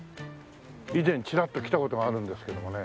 以前チラッと来た事があるんですけどもね。